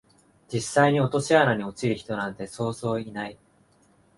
実際に落とし穴に落ちる人なんてそうそういない